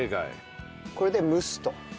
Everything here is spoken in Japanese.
これで蒸すと。